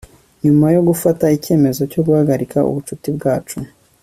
nyuma yo gufata icyemezo cyo guhagarika ubucuti bwacu